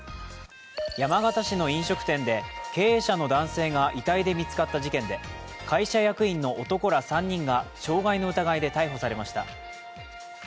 山形市の飲食店で経営者の男性が遺体で見つかった事件で会社役員の男ら３人が傷害の疑いで逮捕されました。